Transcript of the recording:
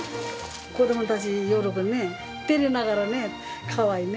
子どもたち喜んでくれて、照れながらね、かわいいね。